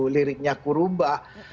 liriknya aku rubah